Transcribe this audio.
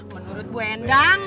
menurut bu endang